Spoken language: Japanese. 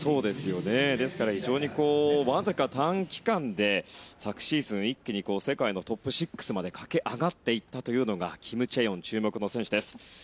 ですから、非常にわずか短期間で昨シーズン一気に世界のトップ６まで駆け上がっていったというのがキム・チェヨン注目の選手です。